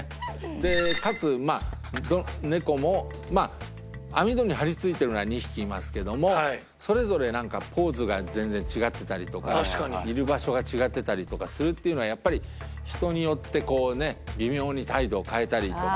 でかつまあ猫も網戸に張り付いてるのが２匹いますけどもそれぞれなんかポーズが全然違ってたりとかいる場所が違ってたりとかするっていうのはやっぱり人によってこうね微妙に態度を変えたりとか。